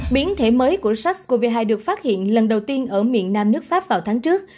biến thể mới của sars cov hai được phát hiện lần đầu tiên ở miền nam nước pháp vào tháng trước